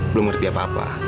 belum ngerti apa apa